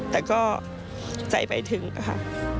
แต่ก็ใจไปถึงนะคะ